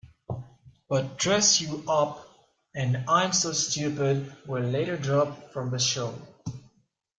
But "Dress You Up" and "I'm So Stupid" were later dropped from the show.